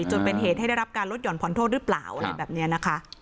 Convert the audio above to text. จนเป็นเหตุให้ได้รับการลดห่อนผ่อนโทษหรือเปล่าอะไรแบบนี้นะคะ